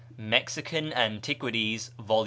("Mexican Antiquities," vol.